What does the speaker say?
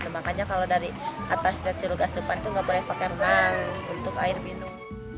makanya kalau dari atas dasar gasupan itu nggak boleh pakai renang untuk air minum